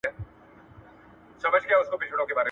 آس په پوره بریالیتوب سره د بزګر په ژوند کې برکت راوست.